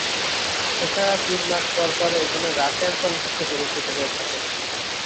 এছাড়াও তিন মাস পর পর এখানে রাশিয়ান চলচ্চিত্র প্রদর্শিত হয়ে থাকে।